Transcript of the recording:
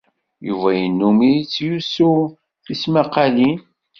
Yuba yennum yettlusu tismaqqalin.